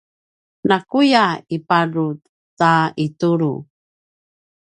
nakuya iparut ta itulu